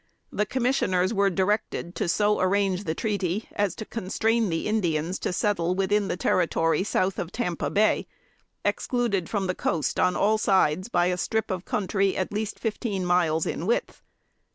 The commissioners were directed to so arrange the treaty, as to constrain the Indians to settle within the territory south of Tampa Bay, excluded from the coast on all sides by a strip of country at least fifteen miles in width.